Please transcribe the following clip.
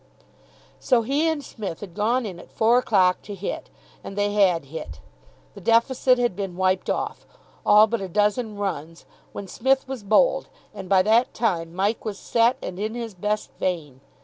So he and Psmith had gone in at four o'clock to hit. And they had hit. The deficit had been wiped off, all but a dozen runs, when Psmith was bowled, and by that time Mike was set and in his best vein.